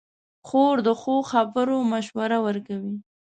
خور د ښو خبرو مشوره ورکوي.